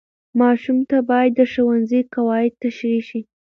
ماشوم ته باید د ښوونځي قواعد تشریح شي.